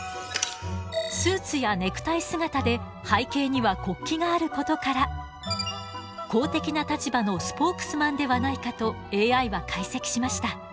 スーツやネクタイ姿で背景には国旗があることから公的な立場のスポークスマンではないかとＡＩは解析しました。